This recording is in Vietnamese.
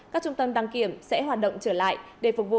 các trung tâm đăng kiểm sẽ hoạt động trở lại để phục vụ